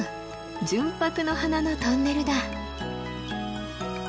純白の花のトンネルだ！